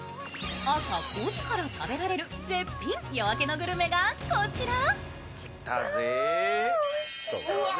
朝５時から食べられる絶品夜明けのグルメがこちら。